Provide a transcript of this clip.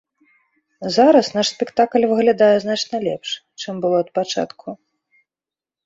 Зараз наш спектакль выглядае значна лепш, чым было ад пачатку.